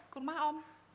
ke rumah om